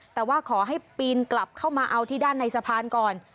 แต่ว่าขอให้ปีนกลับเข้ามาเอาที่ด้านในสะพานก่อน